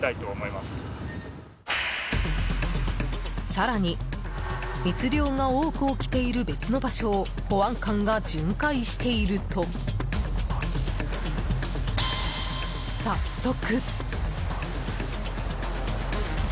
更に、密漁が多く起きている別の場所を保安官が巡回していると早速。